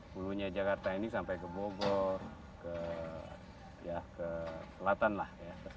hulunya jakarta ini sampai ke bogor ke selatan lah